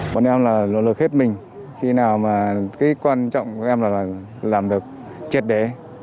bọn em là lực lượng hết mình khi nào mà cái quan trọng của em là làm được chết để